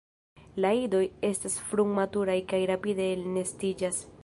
La idoj estas frumaturaj kaj rapide elnestiĝas.